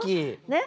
ねっ？